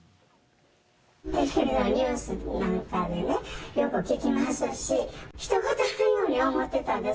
テレビのニュースなんかでね、よく聞きますし、ひと事のように思ってたんです。